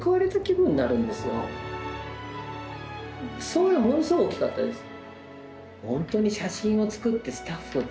そういうのはものすごく大きかったです。